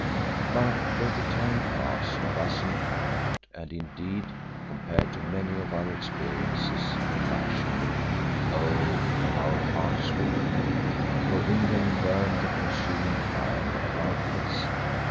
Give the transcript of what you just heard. But though the time passed thus in comfort and indeed, compared to many of our experiences, in luxury, oh! our hearts were hungry, for in them burned the consuming fire of our quest.